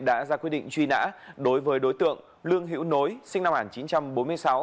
đã ra quyết định truy nã đối với đối tượng lương hữu nối sinh năm một nghìn chín trăm bốn mươi sáu